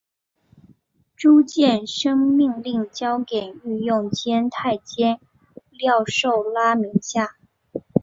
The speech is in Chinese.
朱见深命令交给御用监太监廖寿拉名下。